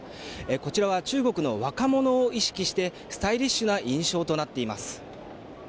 こちらは、中国の若者を意識してスタイリッシュな印象となっています。